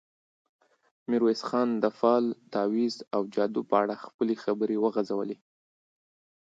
ميرويس خان د فال، تاويذ او جادو په اړه خپلې خبرې وغځولې.